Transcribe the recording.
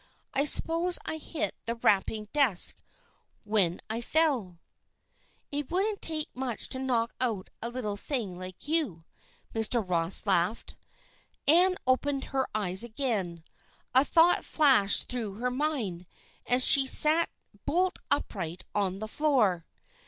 "I suppose I hit the wrapping desk when I fell." "It wouldn't take much to knock out a little thing like you," Mr. Ross laughed. Ann opened her eyes again, a thought flashed through her mind, and she sat bolt upright on the floor.